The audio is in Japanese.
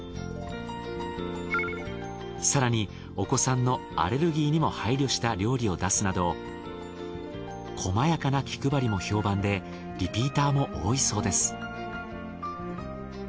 更にお子さんのアレルギーにも配慮した料理を出すなど細やかな気配りも評判でリピーターも多いそうです。